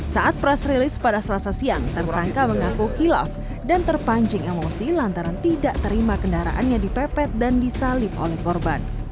saat press release pada selasa siang tersangka mengaku hilaf dan terpancing emosi lantaran tidak terima kendaraannya dipepet dan disalib oleh korban